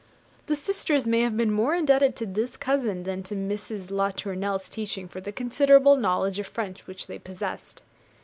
The sisters may have been more indebted to this cousin than to Mrs. La Tournelle's teaching for the considerable knowledge of French which they possessed.